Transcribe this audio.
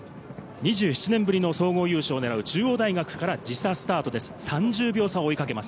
２７年ぶりの総合優勝を狙う中央大学から時差スタートです、３０秒差を追いかけます。